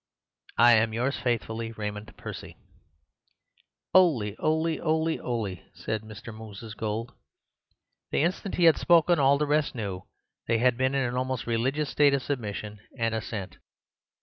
—I am, yours faithfully, "Raymond Percy." "Oh, 'oly, 'oly, 'oly!" said Mr. Moses Gould. The instant he had spoken all the rest knew they had been in an almost religious state of submission and assent.